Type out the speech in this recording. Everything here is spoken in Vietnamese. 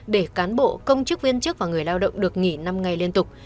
để cán bộ công chức viên chức và người lao động được nghỉ năm ngày liên tục